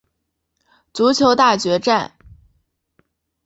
足球大决战！